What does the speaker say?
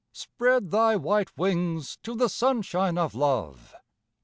Spread thy white wings to the sunshine of love!